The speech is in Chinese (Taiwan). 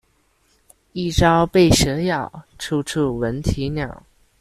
一朝被蛇咬，處處聞啼鳥